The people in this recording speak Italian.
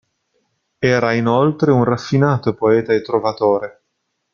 Era inoltre un raffinato poeta e trovatore.